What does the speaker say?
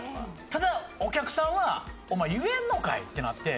ただお客さんは「お前言えんのかい！」ってなって。